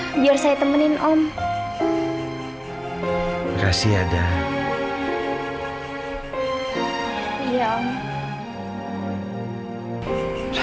dulu aja ya biar saya temenin om kasih ada yang